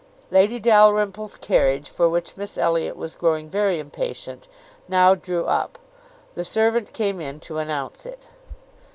Lady Dalrymple's carriage, for which Miss Elliot was growing very impatient, now drew up; the servant came in to announce it.